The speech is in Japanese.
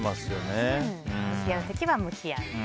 向き合う時は向き合う。